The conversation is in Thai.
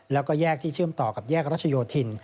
แล้วก็แยกที่เชื่อมต่อกับแยกรัชโยธิน